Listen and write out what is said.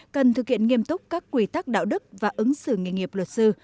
cần thực hiện nghiêm túc các quy tắc đạo đức và ứng xử nghề nghiệp luật sư